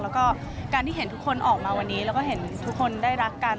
แล้วก็การที่เห็นทุกคนออกมาวันนี้แล้วก็เห็นทุกคนได้รักกัน